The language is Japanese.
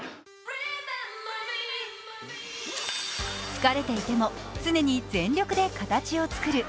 疲れていても常に全力で形を作る。